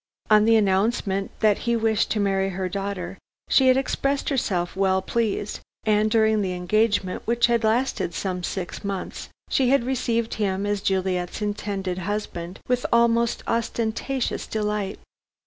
On the announcement that he wished to marry her daughter, she had expressed herself well pleased, and during the engagement, which had lasted some six months, she had received him as Juliet's intended husband, with almost ostentatious delight.